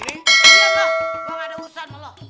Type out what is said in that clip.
lihatlah gue gak ada urusan sama lo